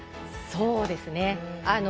そうですね。